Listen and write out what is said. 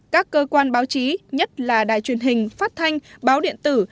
các cơ quan báo chí nhất là đài truyền hình phát thanh báo điện tử